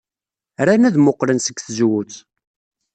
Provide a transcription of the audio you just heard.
Ran ad mmuqqlen seg tzewwut.